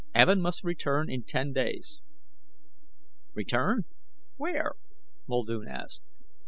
"Evin must return in ten days...." "Return? Where?" Muldoon asked.